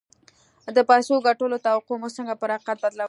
د پيسو ګټلو توقع مو څنګه پر حقيقت بدلوي؟